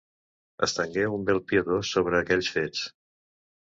Estengué un vel piadós sobre aquells fets.